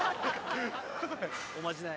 おまじない。